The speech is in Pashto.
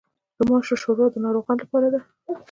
د ماشو شوروا د ناروغانو لپاره ده.